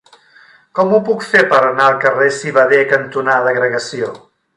Com ho puc fer per anar al carrer Civader cantonada Agregació?